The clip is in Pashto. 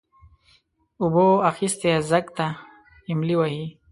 اوبو اخيستى ځگ ته املې وهي.